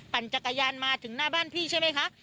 ปั่นจักรยานมาถึงหน้าบ้านพี่ใช่ไหมคะ